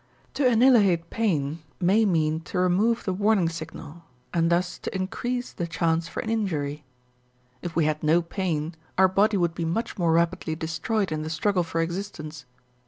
To annihilate pain may mean to remove the warning signal and thus to increase the chance for an injury. If we had no pain, our body would be much more rapidly destroyed in the struggle for existence.